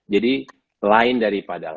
jadi lain daripada